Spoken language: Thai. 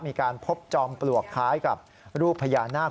มีการพบจอมปลวกคล้ายกับรูปพญานาค